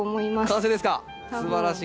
完成です。